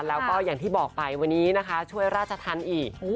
แล้วก็อย่างที่บอกไปวันนี้นะคะช่วยราชธรรมอีก